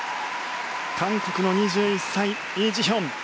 韓国の２１歳、イ・ジヒョン。